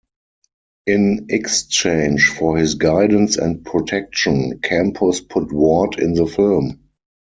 In exchange for his guidance and protection, Campus put Ward in the film.